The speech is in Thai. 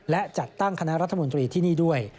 และจัดตั้งคณะรัฐมนตรีที่นี่ด้วย